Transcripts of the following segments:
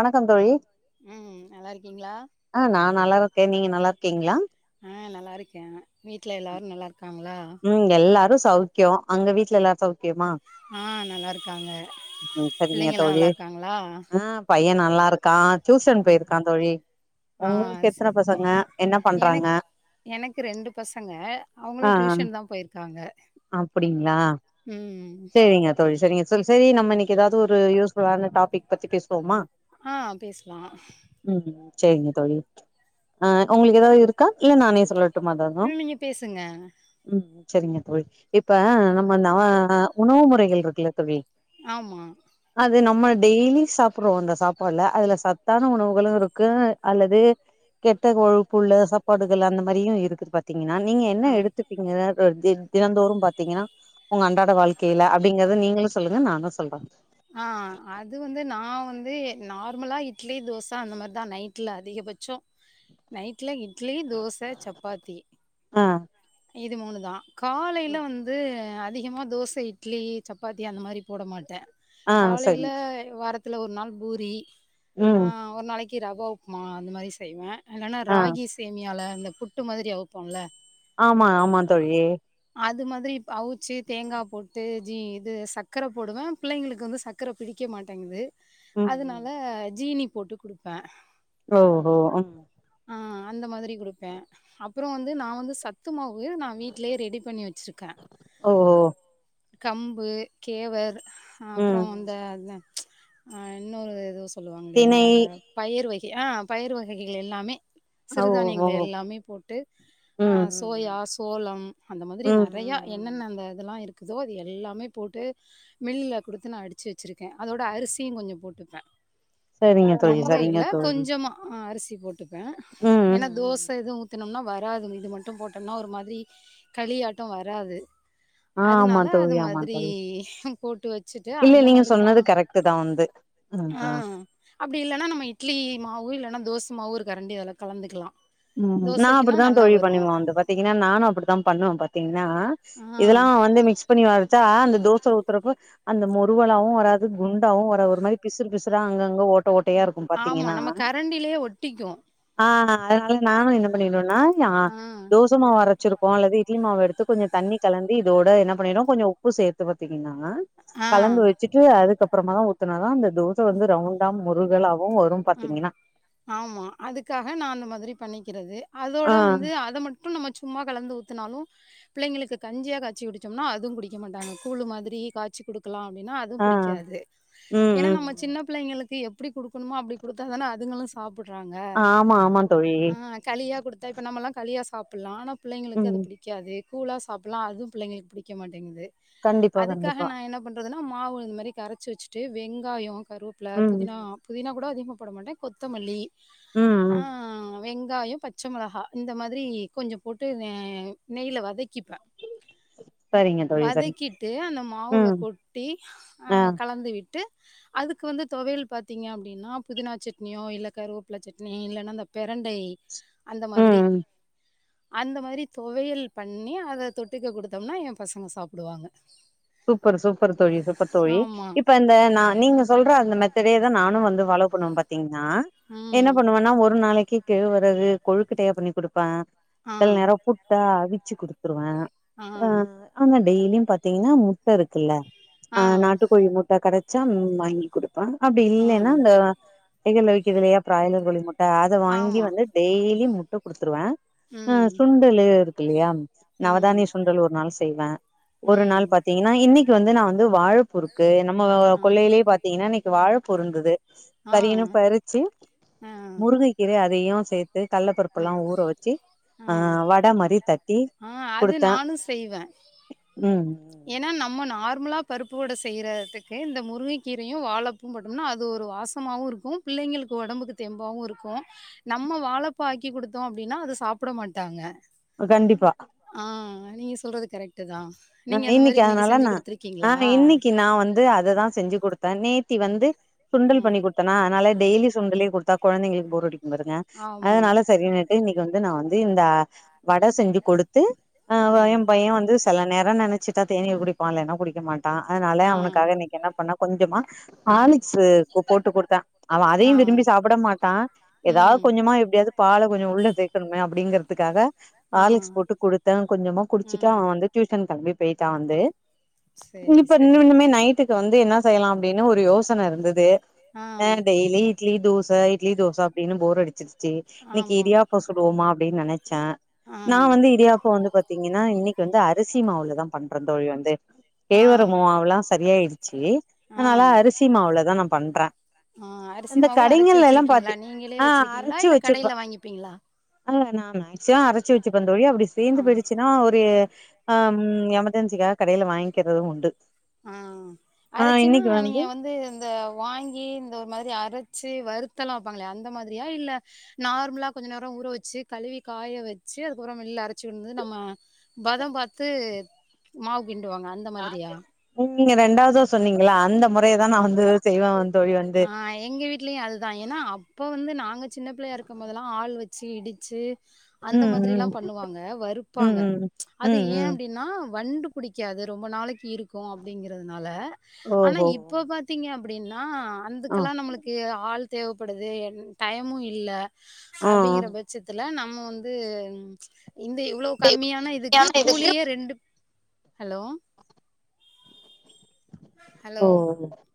வணக்கம் தோழி ம் நல்லா இருக்கீங்களா ஆ நா நல்லா இருக்கே நீங்க நல்லா இருக்கீங்களா ஆ நல்லா இருக்கே வீட்ல எல்லாரு நல்லா இருக்காங்களா ம் எல்லாரு சௌக்கியோ அங்க வீட்ல எல்லாரு சௌக் கேமா ஆ நல்லா இருக்காங்க ம் செரிங்க பிள்ளைங்கல்லா தோழி நல்லா இருக்காங்களா ம் பைய நல்லா இருக்கான் டியூசன் ஆ போயிர்க்கான் தோழி ஆ உங்களுக்கு எத்தன சரி பசங்க என்ன பண்றாங்க எனக் எனக்கு ரெண்டு பசங்க அவ்ங்களு டியூஷன் தா போயிர்க்காங்க அப்பிடிங்களா சேரிங்க தோழி சேரிங்க செரி நம்ம இன்னெக்கி எதாவுது ஒரு யூஸ்ஃபுல்லான டாப் வெய்ட் பத்தி பேசுவோமா ஆ பேசலா ம் செரிங்க தோழி ஆ உங்களுக்கு எதாவ்து இருக்கா இல்ல நானே சொல்லட்டுமா எதாது நீங்க பேசுங்க ம் செரிங்க தோழி இப்ப நம்ம நவ அ உணவு முறைகள் இருக்குல்ல தோழி ஆமா அது நம்ம டெய்லி சாப்புட்றோ அந்த சாப்பால்ல அதுல சத்தான உணவுகளு இருக்கு அல்லது கெட்ட கொழுப்புள்ள சாப்பாடுகள் அந்த மாரியு இருக்கு பத் த்தீங்கனா நீங்க என்ன ஆ எடுத்துப்பீங்க அப் தி தினந்தோறும் பாத்தீங்கன்னா உங்க அன்றாட வாழ்க்கெய்ல அப்பிடிங்கறத நீங்களு சொல்லுங்க நானு சொல்ற ஆ அது வந்து நா வந்து நார்மலா இட்லி தோச அந்த மாரிதா நைட்ல அதிகபட் ச்சோ நைட்ல இட்லி தோச சப்பாத்தி ஆ இது மூணுதா காலையில ம் வந்து அதிகமா தோச இட் லி சப்பாத்தி அந்த மாரி போட மாட்டே ஆ காலையில சரிங்க வாரத்துல ஒரு நாள் பூரி ஆ ம் ஒரு நாளைக்கு ரவா உப்மா அந்த மாரி செய்வே இல்லனா ஆ ராகி சேமியால அந்த புட்டு மாதிரி அவிப் போல ஆமா ஆமா தோழி அது மாதிரி அவிச்சு தேங்கா போட் டு ஜு இது சக்கர போடுவே பிள்ளைங்களுக்கு வந்து சக்கர பிடிக்க மாட்டேங்குது ம் ம் அதுனால ஜீனி போட்டு குடுப்பே ஓ ஹோ அ அந்த மாதிரி குடுப்பே அப்றோ வந்து நா வந்து சத்து மாவு நா வீட்லியே ரெடி பண்ணி வச்சிருக்கே ஓ கம்பு கேவர் அப்றோ ம் இந்த அ இன்னொரு எதோ செல்லு வாங்ளே தினை அந்த பயிர் வகை அ பயிர் வகைகள் எல்லாமே ஓஹோ சிறுதானியங்கள் எல்லாமே போட்டு ம் ம் சோயா ம் சோளம் அந்த மாதிரி ம் நறையா ம் ம் என்னென்ன அந்த இது எல்லா இருக்குதோ அது எல்லாமே போட்டு மில்லுலகுடுத்து நா அடிச்சு வச்சிருக்கே அதோட அரிசியு கொஞ்சோ போட்டுப்பே சரிங்க தோழி ரொம்ப சரிங்க இல்ல தோழி கொஞ்சமா அரிசி போட்டுப்பே ம் ஏன்னா ம் ம் தோச எதுவு ஊத் த்துன்னா வராது இது மட்டு போட்டோம்னா ஒரு மாதிரி கலியாட்டோ வராது அ அ ஆமா அதனால அது தோழி ஆமா மாதிரி தோழி போட்டு வச்சுட்டு இல்ல அந்த நீங்க மாதிரிதா சொன்னது கரெக்ட்டு தா வந்து ம் ஆ ம் அப்டி இல்லன்னா நம்ம இட்லி மாவு இல்லன்னா தோச மாவு ஒருகரண்டி அதுல்லா கலந்துக்லா ம் நா அப்டிதா தோழிபண்ணுவே அந்த பத பாத்திங்ன்னா நானு அப்டித்தா பண்ணுவே பாத்திங்ன்னா ஆ இதெல்லா வந்து மிக்ஸ் பண்ணி அரச்சா அந்த தோச சுட்ரப்ப அந்த மொருவலாவவு வராது குண்டாவு ஒரு மாரி பிசு பிசுா அங்கங்க ஓட் ஓட்டையா இருக்கு ஆமா பாத்திங்கன்னா நம்ம கரண்டிலயே ஒட்டிக்கு அ அதனால நானு என்ன பண்ணிருவனா ஆ தோச உளுத்த மாவு அரச்சிருப்போ அல்லது இட்லி மாவு எடுத்து கொஞ்சோ தண்ணி கலந்து இதோட என்ன பண்ணிடுவோ கொஞ்சோ உப்பு சேத்து பாத்திங்கன்னா ஆ கலந்து வச்சுட்டு அதுக்கப்றமாதா ஊத்துனதா அந்த தோச தோசவந்து ரவுண்டா மொருகலாவு வரு ம் பாத்திங்கன்னா ஆமா அதுக்காக நா அந்த மாதிரி பண்ணிக்கிறது அதோட ஆ வந்து அதை மட் டு நம்ம சும்மா கலந்து ஊத்துனாலு பிள்ளைகளுக்கு கஞ்சியா காச்சி குடிச்சோம்னா அதுவு குடிக்க மாட்டாங்க கூழு மாதிரி காட்சி குடுக்கலா அப்டின்னா அது ஆ புடிக்காது ம் ஏன்னா ம் நம்ம சின்ன பிள்ளைங்களுக்கு எப்டி குடுக்கணுமோ அப்டி குடுத்தா தானே அதுங்களு சாப் புட்றாங்க ஆமா ஆமா தோழி அ களியா குடுத்தா இப்போ நம்மல்லா களியா சாப்புட்லா ஆனா பிள்ளைங்களுக்கு அது ம் புடிக்காது கூழா சாப்புட் அதுவு பிள்ளைங்களுக்கு பிடிக்க மாட்டேங்குது கண்டிப்பா அதுக்காக கண்டிப்பா நா என்ன பண்ண றதுனா மாவு இந்த மாதிரி கரைச்சி வச்சுட்டு வெங்காயோ கருவேப்பில ம் புதினா புதினா கூட அதிகமா போட மாட்டே கொத்தமல்லிஅ ம் ம் வெங்காயோ பச் பச்சமொளகாய் இந்த மாதிரி கொஞ்சோ போட்டு நெய்ல வதக்கிப்பே சரிங்க தோழி சரிங்க வதக்கிட்டு அந்த மாவுல ம் கொட்டி அ ஆ கலந்து விட்டு அதுக்கு வந்து தொவையல் பாத்திங்க அப்டின்னா புதினா சட்னியோ இல்ல கருவேப்பில சட்னி இல்லன்னா பெரண்டை அந்த மாதிரி ம் அந்த மாதிரி தொவையல் பண்ணி அத தொட்டுக்க குடுத்தோம்னா என் பைய பசங்க சாப்டுவாங்க சூப்பர் சூப்பர் தோழி சூப்பர் தோழி ஆமா இப்ப இப்ப நா நீங்க சொல்ற அந்த மெத்தடே தா நானும் வந்து பாலோ பண்ணணுன் பாத்து பாத்தீங்கன்னா என்ன ம் பண்ணுவன்னா ஒரு நாளைக்கு கேழ்வரகு கொழுக்கட்டையா பண்ணி குடுப்பே ஆ சில நேரோ புட்டா அவுச்சு குடுத்துருவே ஆ ஆனா டெய்லியும் பாத்தீங்கன்னா முட் ட்ட இருக்குல்ல ஆ நாட்டுக்கோழி முட்ட கெடைச்சா ம் வாங்கி குடுப் அப்டி இல்லைன்னா ம் அந்த கடைகள்ல விக்குதுல்லையா பிராய்லர் கோழி முட்ட அத வாங்கி ஆமா வந்து டெய்லி முட்ட குடுத்துருவே ஆ ம் சுண்டல இருக்கு இல்லையா ம் நவதானிய சுண்டல் ஒரு நாள் செய்வே ஒரு நாள் ம் பாத்தீங்கன்னா இன்னைக்கு வந்து நா வந்து வாழப்பூ இருக்கு நம்ம கொள்ளையிலேயே பாத்தீங்கன்னா இன்னைக்கு வாழப்பூ இருந்தது ஆ ஆ பறின்னு பறிச்சு ஆ முருங்ககீரைய அது தையும் சேத்து கல்ல ஆ பருப்பெல்லா ஊற வச்சு ஆ வட மாரி தட்டி ஆ அது குடுத்தே நானு செய்வ ம் ஏன்னா நம்ம நார்மலா பருப்பு வட செய்யறதுக்கு இந்த முருங்கக்கீரையும் வாழப் பூவும் போட்டம்னா அது ஒரு வாசமாவும் இருக்கும் பிள்ளைங்களுக்கு ஒடம்புக்கு தெம்பாவும் இருக்கும் நம்ம வாழைப்பூ ஆக்கி குடுத்தோ அப்டின்னா அத சாப்பிட மாட்டாங்க கண்டிப்பா ஆ நீங்க சொல்றது கரெக்ட் தா ஆ நீங்க அந்த இன்னைக்கு மாரி அதனால செஞ்சு நா ஆ குடுத்துருக்கீங்களா இன்னைக்கு நா வந்து அததா செஞ்சு குடுத்தே நேத்தி வந்து சுண்டல் ம் பண்ணி குடுத்தனா அதனால டெய்லி சுண்டலே குடுத்தா கொழந்தைங்களுக்கு போரடிக்கும் பாருங்க ஆமா அதனால சரின்னுட்டு இன்னைக்கு வந்து நா வந்து இந்த வட செஞ்சு குடுத்து ஆ ஏ பையே வந்து செல நேர நெனைச்சிட்டா தேநீர் குடிப்பா இல்லனா குடிக்க மாட் டான் அதனால ஆ அவனுக்காக இன்னைக்கு என்ன பண்ணா கொஞ்சமா ஆ ஆலிக்ஸு போட்டு குடுத்தே அவன் ஆ அதையும் விரும்பி சாப்பிட மாட்டா ஏதாவது ம் கொஞ்சமா எப்டியாவது பால கொஞ்சோ உள்ள சேக்கணுமே அப்டிங்கறதுக்காக ஆர்லிக்ஸ் ஆ போட்டு குடுத்தே கொஞ்சமா குடிச்சுட்டு ம் அவன் வந்து டியூஷன் கலம்பி போயிட்டா வந்து சேரி இப்ப சேரி நின்னுன்னுமே நைட்டுக்கு வந்து என்ன செய்யலா அப்டின்னு ஒரு யோசன இருந்தது ஆ டெய்லி இட்லி தோச இட்லி தோச அப்டின்னு போர் அடிச்சு ச்சு இன்னைக்கு ஆமா இடியாப்ப சுடுவோமா அப்டின்னு நெனச்சே ஆ நா வந்து இடியா ப்போ வந்து பாத்தீங்கன்னா இன்னைக்கு வந்து அரிசி மாவுலதா பண்றேந்தோழி வந்து ஆ கேழ்வரகு மாவுல்லா சரியாயடுச்சு ஆ அதனால அரிசி மாவுலதா நா பண்றே ஆ இந்த அரிசிமாவு அரைச்சு கடைங்கள்ல எல்லா வச்சிருக்கீங்களா பாத்தி நீங்களே ஆ வச்சிருக்கீங்களா இல்ல கடையில வாங்கிப்பீங்களா இல்ல இல்ல நா மெக்ஸிமம் அரைச்சி வச்சுப்பந் தோழி அப்டி தீந்து ஆ போயிடுச்சுன்னா ஒரு அம் எமர்ஜென்சிக்காக கடையில வாங்கிக்கிறதும் உண்டு ஆ ஆ அரச்சுன்னா இன்னைக்கு நீங்க வந்து இந்த வாங்கி இந்த ஒரு மாதிரி அரச்சு வருத்தலா வப்பாங்களே அந்த மாதிரியா இல்ல நார்மலா கொஞ்ச நேரோ ஊற வச்சு கழுவி காய வச்சு அதுக்கப்றோ வெள்ள அரச்சு வந்து நம்ம பதம் பாத்து மாவு கிண்டுவாங்க அந்த மாதிரியா ம் நீங்க ரெண்டாவதா சொன்னீங்கள அந்த முறைய தா நா வந்து செய்வே வ தோழி வந்து ஆ எங்க வீட்லயும் அதுதா ஏன்னா அப்போ வந்து நாங்க சின்ன பிள்ளையா இருக்கம் போதெல்லா ஆள் வச்சு இடிச்சு அந்த ம் மாதிரி ம் எல்லாம் பண்ணுவாங்க ம் வருப்பாங்க ம் அது ம் ஏ ம் அப்டின்னா வண்டு பிடிக்காது ரொம்ப நாளைக்கு இருக்கும் அப்டிங்கறதுனால ஆனா ஓஹோ இப் ப்ப பாத்தீங்க அப்டின்னா ஆ அந்தக்கெல்லா நம்மளுக்கு ஆள் தேவப்படுது என் டைமும் இல்ல ஆ ஆ அப்டிங்கற பச்ச பட்சத்துல நம்ம வந்து இந்த இவ்வளவு கம்மியான இதுக்கு கூலியே ரெண்டு ஹலோ ஹலோ ஓ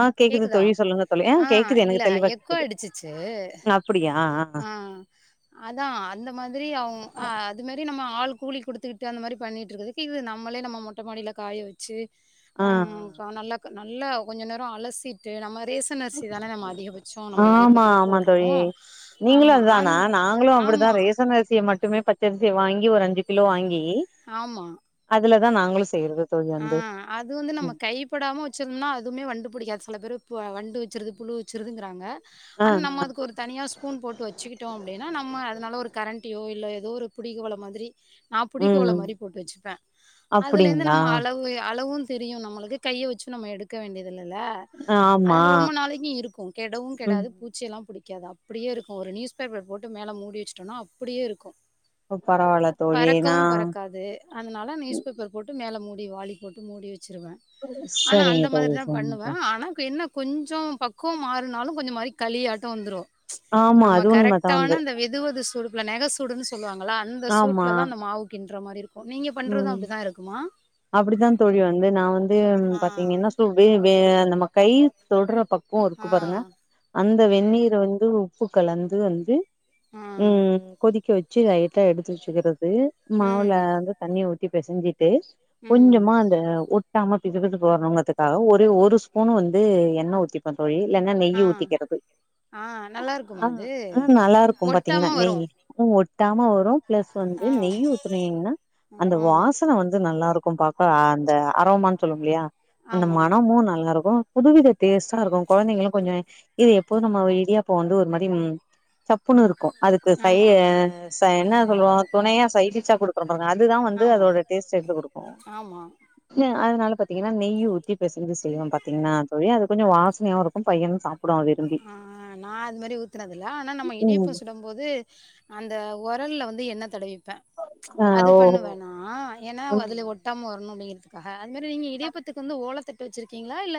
ஆ கேக்குது கேக்குதா தோழி சொல்லுங்க தோழி ஆ கேக்குது இல்ல எனக்கு தெளிவா எக்கோ கேக்குது அடிச்சிச்சு ஆ அப்டியா ஆ அதா அந்த மாதிரி அவ் ஆ அது மாரி நம்ம ஆள் கூலி குடுத்துக்கிட்டு அந்த மாதிரி பண்ணிட்ருக்கது எதுக்கு இது நம்மளே நம்ம மொட்ட மாடியில காய வச்சு ஆ கொ நல்ல நல்லா கொஞ்ச நேர அலசிட்டு நம்ம மாரேஸ் த்துன அரிசி தானே நம்ம அதிகபட்ச நம்ம ஆமா இடியாப்பத்துக்கு ஆமா போட்றோ தோழி நீங்களு அது தானா நாங்களு அப்டிதா ரேசன் அரிசிய மட்டுமே பச்ச அரிசிய வாங்கி ஒரு அஞ்சு கிலோ வாங்கி கி ஆமா அதுலதா நாங்களு செய்றது தோழி ஆ வந்து அது வந்து நம்ம கைப்படாம வச்சுருந்தோம்னா அதுவுமே வண்டு புடிக்காது செல பேர் பு வண்டு வச்சுருது புழு வச்சுருதுங்கிறாங்க ஆ ஆனா நம்ம ஆ அதுக்கு ஒரு தனியாக ஸ்பூன் போட்டு வச்சுக்கிட்டோ அப்டின்னா நம்ம அதனால ஒரு கரண்ட்டியோ இல்ல ஏதோ ஒரு பிடிக்குவள மாதிரி நா புடிக்கொவள ம் மாரி போட்டு வச்சுப்பே அதுலேருந்து அப்டிங்களா நம்ம அளவு அளவும் தெரியு நம்மளுக்கு கைய வச்சு நம்ம எடுக்க வேண்டியதில்லல்ல ஆமா அதுக்கு ரொம்ப நாளைக்கு இருக்கு கெடவும் ம் கெடாது பூச்சியெல்லா புடிக்காது அப்டியே இருக்கும் ஒரு நியூஸ் பேப்பர் போட்டு மேலே மூடி வச்ட்டோம்னா அப்படியே இருக்கு இப்போ பரவாயில்ல தோழி ‌நா அது அதனால நியூஸ் பேப்பர் போட்டு மேலே மூடி வாலி போட்டு மூடி வச்சுருவ ஆனா சரிங்க அந்த தோழி மாதிரிதா சரிங்க பண்ணுவ தோழி ஆனாக் என்ன கொஞ்ச பக்குவம் மாறுனாலு கொஞ்ச மாறி களியாட்ட வந்துரு ஆமா நம்ம அது உண்மதா கரெக்டான வந்து அந்த வெ து வெது சூடுப்ல நெக சூடுன்னு சொல்லுவாங்கல்ல அந்த ஆமா சூட்ல தா அந்த மாவு கின்ற மாரி இருக் ம் அப்டித்தா தோழி வந்து நா வந்து பாத்தீங்கன்னா சொ வே வே நம்ம கை தொடுற பக்குவ இருக்கு ஆ பாருங்க ஆ அந்த வெந்நீர வந்து உப்பு கலந்து வந்து ஆ ம் கொதிக்க வச் சு லைட்டா எடுத்து வச்சுக்கிறது மாவுல ம் வந்து தண்ணிய ஊட்டி பெசஞ்சி து ம் கொஞ்சமா அந்த ஒட் டாம பிது பிதுக்கு வர்ணுங்கதுக்காக ஒரே ஒரு ஸ்பூன் வந்து எண்ணெ ஊத்தி ப்ப தோழி இல்லன்னா ஆ நெய்யி ஊத்திக்கறது ஆ நல்லா ஆ இருக்குமா அது ஆ நல்லாருக்கும் பாத்தீங்கன்னா ஒட்டாம வரு நெய்யி உ ஒட்டாம வரும் பிளஸ் வந்து ஆ நெய் ஊத்துனீங்கன்னா அந்த ஆ வாசன வந்து நல்லாருக்கும் பாக்க அந்த அரோமான்னு சொல்லுவோ இல்லையா அந்த ஆமா மனமு நல்லாருக்கு புதுவித டேஸ்ட்டா இருக்கு கொழந்தைங்களு கொஞ்ச இது எப்போது நம்ம இடியாப்ப வந்து ஒரு மாரி சப்புன்னு இருக்கும் அதுக்கு சயி ஆமா ச என்ன சொல்லுவோ துணையா சைடிஸா கொடுக்குற பாருங்க அதுதா வந்து ஆமா அதோட டேஸ்ட்ட எடுத்து குடுக்கு ஆமா இல்ல அதனால பாத்தீங்கன்னா நெய்யி ஊத்தி பெசஞ்சி செய்வ பாத்தீங்கன்னா தோழி அது கொஞ்ச வாசனையாவு இருக்கு பையனனு சாப் ஆ நா அது மாதிரி ஊத்துறதுல்ல ஆனா நம்ம இடியாப்ப ம் சுட போது அந்த ஒரல்ல வந்து எண்ணெ தடவிப்பே ஆ அது ஓஹோ பண்ணுவ நா ஏன்னா அதுல ஒட்டாம வரணு அப்டிங்கிறதுக்காக அது மாரி நீங்க இடியாப்பத்துக்கு வந்து ஓலத்தட் டு வச்சிருக்கீங்களா இல்ல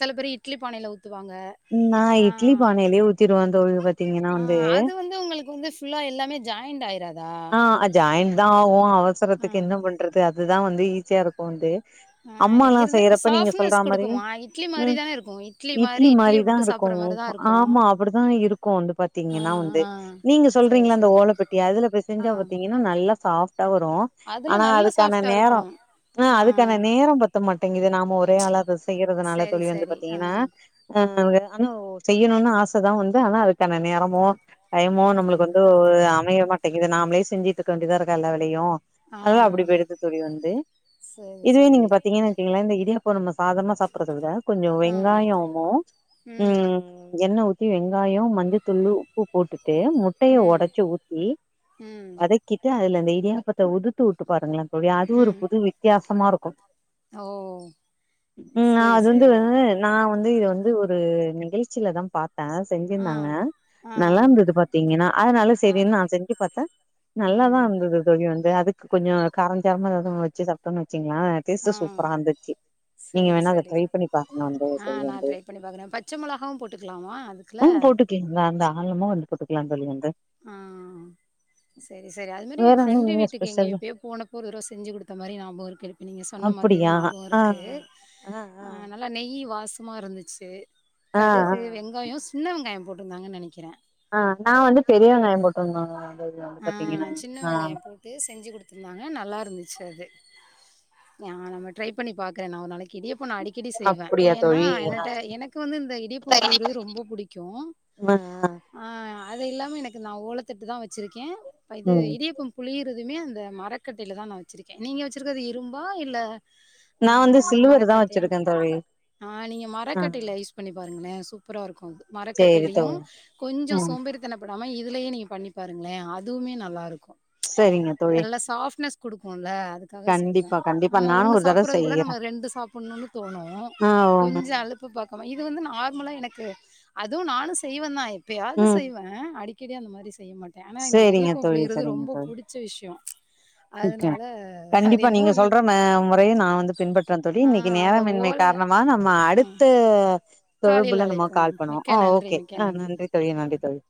சில பேரு இட்லி பானையில ஊத்துவாங்க நா ஆ இட்லி பானையிலேயே ஊத்திடுவே தோழி பாத்தீங்கன்னா ஆ வந்து அது வந்து உங்களுக்கு வந்து ஃபுல்லா எல்லாமே ஜாயிண்ட் ஆயிறாதா ஆ ஜாயின்ட் தா ஆவு ஆ அவசரத்துக்கு என்ன பண்றது அதுதா வந்து ஈஸியா இருக்கு வந்து ஆ அம்மாலா இருந்த செய்றப்ப நீங்க சொல்ற சாஃப்ட்னஸ் மாரி குடுக்குமா இட்லி மாரி ம் தானே இருக்கு மாரி இட்லி இட்லிய மாரிதா புட்டு சாப்புட்ற இருக்கும் மாரி தா பா இருக்கு ஆமா அப்டிதான் இருக்கு வந்து ஆ பாத்தீங்கன்னா வந்து ஆ நீங்க சேரி சொல்றீங்கல அந்த சேரி ஓலப்பெட்டி அதுல போ செ ஆ ஞ்சா பாத்தீங்கன்னா நல்லா சாஃப்டா வரு அதுல ஆனா நல்லா அதுக்கான சாஃப்ட்டா நேரோ இருக்கு ஆ அதுக்கான நேரோ ப த்த மாட்டேங்குது நாம ஒரே ஆளா அத செய்யறதுனால சேரி தோழி வந்து சேரி ஆ பாத்தீங்கன்னா அ ஆ எ அங்கோ செய்யணுனு ஆச தா வந்து ஆனா அதுக்கான நேரமோ டைய்மோ ஆ நம்மளுக்கு வந்து அமையமாட் டிக்குது நாம்ளே செஞ்சுட்ருக்க வேண்டியதா இருக்கா எல்லா வேலையு ஆ அதுவே அப்டி போய்டுது தோழி வந்து சேரி இதுவே சேரி நீங்க பாத்தீங்கன் வெச்சிக்கிங்ளே இந்த இடியாப் போ நம்ம சாதமா சாப்பிறத விட கொஞ்ச ஆ வெங்காயமு ம் எண்ண ஊத்தி வெங்காயோ மஞ்சத்தூளு உப்பு போட்டுட்டு முட்டய ம் ஒடச்சி ஊத்தி ம் க்கிட்டு அதுல அந்த இடியாப்பத்த உதுத்து உட்டு பாருங்ளே தோழி அது ஒரு ம் புது வித்தியாசமாருக்கு ஓ ம் சேரி அது வந்து சேரி நா வந்து இது வந்து ஒரு நிகழ்ச்சியில தா பாத்தே ஆ செஞ்சிருந்தாங்க ஆ நல்லா இருந்தது பாத்தீங்கன்னா அதனால ஆ செரின் நா செஞ்சு பாத்தே நல்லாதா ம் இருந்தது தோழி வந்து அதுக்கு கொஞ்சோ காரஞ்சரமா எதாது வெச்சு சாப்டோனு வெச்சுங்ளே டேஸ்ட்டா ஆ சூப்பரா இருந்துச்சு நீங்க சேரி வேணா அத டரை சேரி பண்ணி பாருங்க ஆ நான் அந்த ட்ரை பண்ணி பாக்குறேன். பச்ச மொளகாவும் போட்டுக்கலாமா அதுக்குள்ள? [unintelligible] ம் போட்டு கிங்ளா தாராளமா வந்து போட்டுக்கலா தோழி வந்து ஆ சேரி சேரி அது மாரி எ வேற என்ன ஃப்ரெண்டு நீங்க வீட்டுக்கு எங்கியோ ஸ்பெஷல் எப்பயோ போனப்ப ஒரு தடவ செஞ்சு குடுத்த மாரி ஞாபகோ இருக்கு நீங்க சொன்ன மாத்ரிதா ஞாபகோ இருக்கு அ அ ஆ நல்லா நெய் வாசமா இருந்துச்சு ஆ ஆ ஆ கடுகு வெங்காயோ சின்ன வெங்காயம் போட்டிருந்தாங்கன்னு நெனைக்கிறே ஆ நா வந்து பெரிய வெங்காயோ போட்ருந்தாங்க அதது ஆ சின்ன வெங்காயோ போட்டு செஞ்சு குடுத்துருந்தாங்க நல்லா இருந்துச்சு அது நா நம்ம ட்ரை பண்ணி பாக்குறே நா ஒரு நாளைக்கி இடியாப்போ நா அடி க்கடி செய்வே அப்படியா ஏனா தோழி ஆ என்னட்ட எனக்கு வந்து இந்த இடியாப்போ புழியிறது ரொம்ப புடிக்கு அ ஆ அத இல்லாம எனக்கு நா ஓலத்தட்டு தா வெச்சுருக்கே இப்ப இது ம் இடியாப்பம் புழியருதுமே அந்த மரக்கட்டைல தா நா வெச்சிருக்கே நீங்க வெச்சிருக்கறது இரும்பா இல்ல நா ஆ வந்து சில்வர் தா மரக்கட்டையா வச்சிருக்கே தோழி ஆ நீங்க ஆ மரக்கட்டைல யூஸ் பண்ணி பாருங்ளே சூப்பரா இருக்கு சேரி மரக்கட்டைலியு தோழி கொஞ்சோ ம் சோம்பேறி தனப்படாம இதுலியே நீங்க பண்ணி பாருங்களே அதுவுமே நல்லா இருக்கு சரிங்க தோழி நல்ல சாப்ட்னஸ் குடுக்குல்ல அது க்காக சொல்றே கண்டிப்பா கண்டிப்பா நம்ம நானு ஒண்ணு ஒரு தடவ சாப்பறது கூட செய்யறே நம்ம ரெண்டு சாப்பணுனு தோணு ஆ கொஞ்ச அழு ப்ப பாக்காம இது வந்து நார்மலா எனக்கு அது நானு செய்வந் தா எப்பயாது ம் செய்வே அடி க்கடி அந்த மாரி செய்ய மாட்டே ஆனா எனக்கு சேரிங்க இடியாப்போ தோழி புழியிறது சரிங்க ரொம்ப புடிச்ச விஷ்யோ தோழி அதனால அது கண்டிப்பா என்னமோ நீங்க இ சொல்ற மே மொறய நா வந்து பின்பற்றன் தோழி ஆ இன்னைக்கு அந்த நேரமின்மை ஓல காரணமா நம்ம அடுத் ம் து காலில் தொடர்புல நம்ம அழைக்கும் கால் பண்ணுவோ மிக்க ஆ நன்றி ஓகே மிக்க ஆ நன்றி சேரி நன்றி தோழி